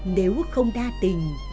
nếu không đa tình